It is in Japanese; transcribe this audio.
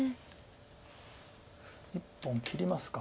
１本切りますか。